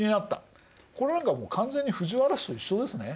これなんかもう完全に藤原氏と一緒ですね。